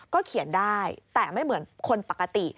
เขียนได้แต่ไม่เหมือนคนปกติ